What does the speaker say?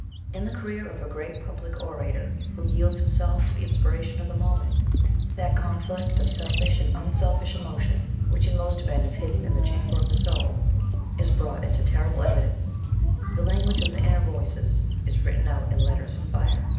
In the career of a great public orator who yields himself to the inspiration of the moment, that conflict of selfish and unselfish emotion which in most men is hidden in the chamber of the soul, is brought into terrible evidence: the language of the inner voices is written out in letters of fire.